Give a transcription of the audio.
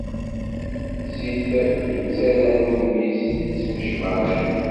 Zzit yettarran udem-is ittmecberriq.